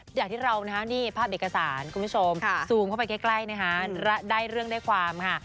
อย่างที่เรานะฮะนี่ภาพเอกสารคุณผู้ชมซูมเข้าไปใกล้นะคะได้เรื่องได้ความค่ะ